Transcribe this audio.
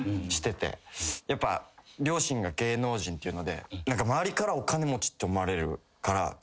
両親が芸能人っていうので周りからお金持ちって思われるから。